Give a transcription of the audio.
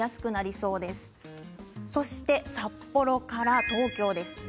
そして札幌から東京です。